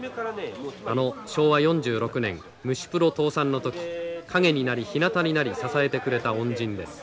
あの昭和４６年虫プロ倒産の時陰になりひなたになり支えてくれた恩人です。